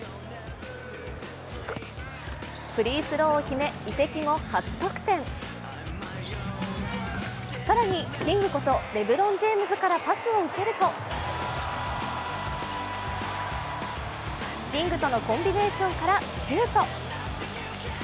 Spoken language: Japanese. フリースローを決め、移籍後初得点更に、キングことレブロン・ジェームズからパスを受けるとキングとのコンビネーションからシュート。